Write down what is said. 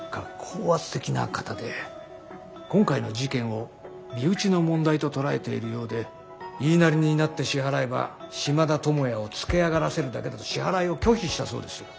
今回の事件を身内の問題と捉えているようで言いなりになって支払えば島田友也をつけあがらせるだけだと支払いを拒否したそうです。